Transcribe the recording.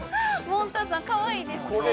◆モンタサン、かわいいですね。